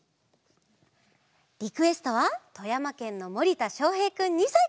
リクエストはとやまけんのもりたしょうへいくん２さいから。